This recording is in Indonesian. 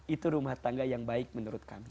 itu rumah tangga yang baik menurut kami